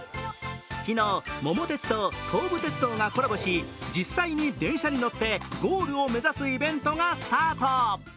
昨日、「桃鉄」と東武鉄道がコラボし実際に電車に乗ってゴールを目指すイベントがスタート。